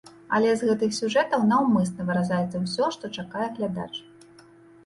Але з гэтых сюжэтаў наўмысна выразаецца ўсё, што чакае глядач.